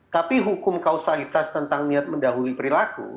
tapi hukum kausalitas tentang niat mendahului perilaku